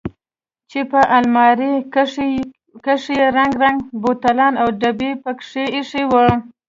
چې په الماريو کښې يې رنګ رنګ بوتلان او ډبکې پکښې ايښي وو.